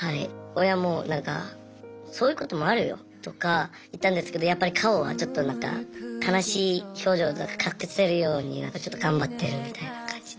親もなんかそういうこともあるよとか言ったんですけどやっぱり顔はちょっとなんか悲しい表情を隠せるようになんかちょっと頑張ってるみたいな感じで。